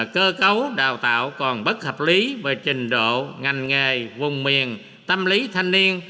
cơ cấu đào tạo còn bất hợp lý về trình độ ngành nghề vùng miền tâm lý thanh niên